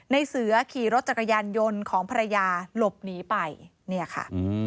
ในเสือขี่รถจักรยานยนต์ของภรรยาหลบหนีไปเนี่ยค่ะ